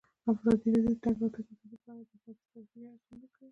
ازادي راډیو د د تګ راتګ ازادي په اړه د حکومتي ستراتیژۍ ارزونه کړې.